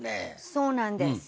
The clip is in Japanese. そうなんです。